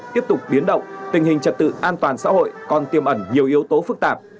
tiếp tục biến động tình hình trật tự an toàn xã hội còn tiêm ẩn nhiều yếu tố phức tạp